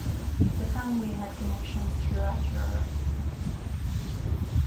The family had connections throughout Europe.